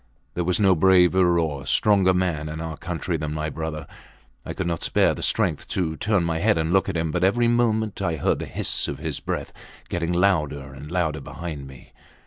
There was no braver or stronger man in our country than my brother. I could not spare the strength to turn my head and look at him, but every moment I heard the hiss of his breath getting louder behind me.